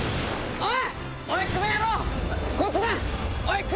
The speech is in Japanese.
おい！